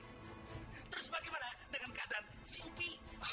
terus bagaimana dengan keadaan si upi